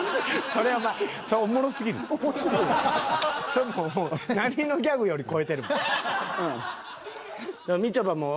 それはお前そら何のギャグより超えてるもん。